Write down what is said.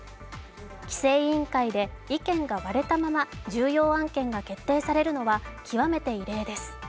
規制委員会で意見が割れたまま重要案件が決定されるのは極めて異例です。